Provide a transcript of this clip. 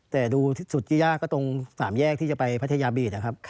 แต่ดูสุดที่ยากก็ตรง๓แยกที่จะไปพัทยาบีดนะครับ